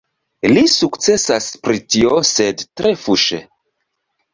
Li sukcesas pri tio, sed tre fuŝe.